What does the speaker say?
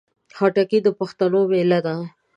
خټکی د پښتنو مېله ده.